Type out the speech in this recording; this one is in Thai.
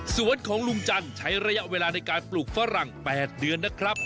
สวนของลุงจันทร์ใช้ระยะเวลาในการปลูกฝรั่ง๘เดือนนะครับ